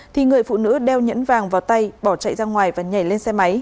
thì người phụ nữ đeo nhẫn vàng vào tay bỏ chạy ra ngoài và nhảy lên xe máy